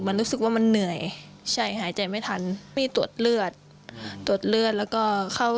มันรู้สึกว่ามันผ่านไม่ทันมาตรวจเลือดตรวจเลือดแล้วก็ข้าว